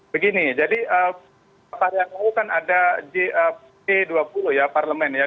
begini jadi pada hari ini kan ada g dua puluh ya parlemen ya